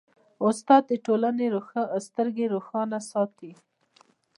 استاد د ټولنې سترګې روښانه ساتي.